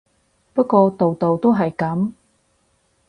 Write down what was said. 不過度度都係噉